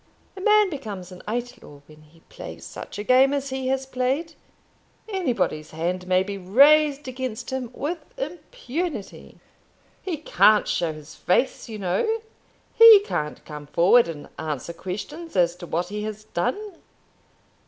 A man becomes an outlaw when he plays such a game as he has played. Anybody's hand may be raised against him with impunity. He can't show his face, you know. He can't come forward and answer questions as to what he has done.